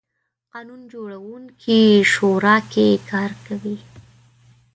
قانون جوړوونکې شورا کې کار کوي.